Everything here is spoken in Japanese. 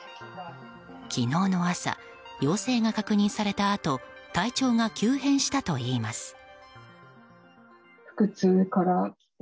昨日の朝、陽性が確認されたあと体調が急変したといいます。